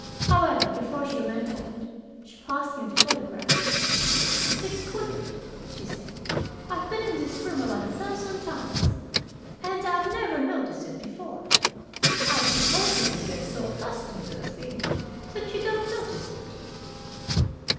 However, before she went out, she paused near the photograph. "It's queer," she said. "I've been in this room about a thousand times, and I've never noticed it before. I suppose you can get so accustomed to a thing that you don't notice it."